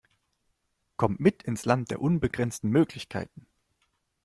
Kommt mit ins Land der unbegrenzten Möglichkeiten!